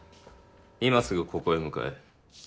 今すぐここへ向かえ。